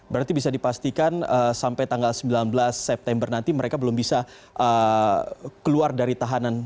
berarti bisa dipastikan sampai tanggal sembilan belas september nanti mereka belum bisa keluar dari tahanan